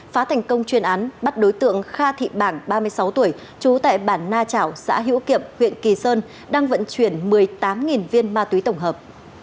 phá thành công chuyên án bắt đối tượng kha thị bảng ba mươi sáu tuổi trú tại bản na chảo xã hữu kiệm huyện kỳ sơn đang vận chuyển một mươi tám viên ma túy tổng hợp